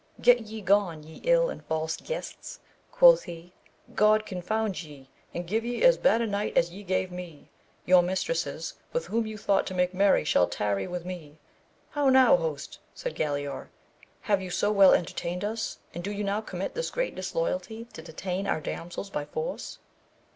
Get ye gone ye ill and false guests, quoth he. God confound ye, and give ye as bad a night as ye gave me ! your mistresses with whom you thought to make merry shall tarry with me. How now host ? said Galaor, have you so well entertained us, and do you now commit this great disloyalty to detain our damsels by force